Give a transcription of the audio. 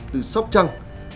từ sóc trăng